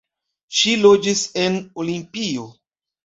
Ŝi loĝis en Olimpio.